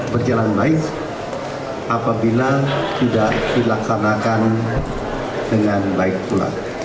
berjalan baik apabila tidak dilaksanakan dengan baik pula